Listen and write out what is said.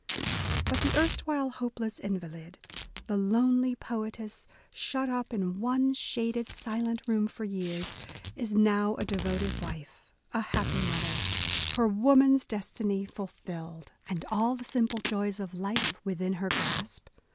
But the erstwhile hopeless invalid, the lonely poetess shut up in one shaded, silent room for years, is now a devoted wife, a happy mother : her woman's destiny fulfilled, and all A DAY WITH E. B. BROWNING the simple joy8 of life within her grasp.